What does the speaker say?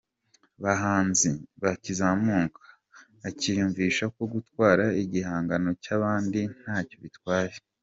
bahanzi bakizamuka, akiyumvishako gutwara igihangano cy’abandi, ntacyo bitwaye.